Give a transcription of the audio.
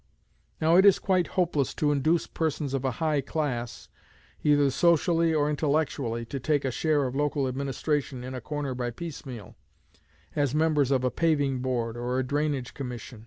Now it is quite hopeless to induce persons of a high class, either socially or intellectually, to take a share of local administration in a corner by piecemeal, as members of a Paving Board or a Drainage Commission.